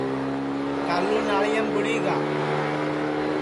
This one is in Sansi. کالو ناݪیام گُڑی گا